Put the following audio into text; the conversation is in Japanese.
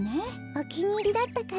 おきにいりだったから。